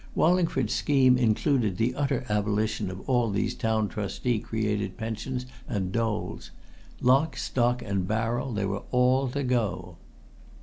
Wallingford's scheme included the utter abolition of all these Town Trustee created pensions and doles. Lock, stock and barrel, they were all to go."